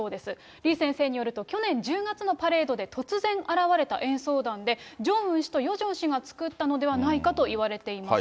李先生によると、去年１０月のパレードで突然現れた演奏団で、ジョンウン氏とヨジョン氏が作ったのではないかといわれています。